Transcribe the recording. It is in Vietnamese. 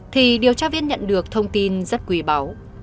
thì điều tra viên nhận được thông tin rất quý báu